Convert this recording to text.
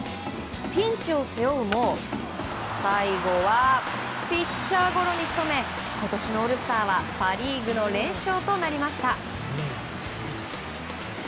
ピンチを背負うも最後はピッチャーゴロに仕留め今年のオールスターはパ・リーグの連勝となりました。